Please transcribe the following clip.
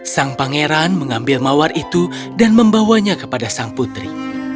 sang pangeran mengambil mawar itu dan membawanya kepada sang putri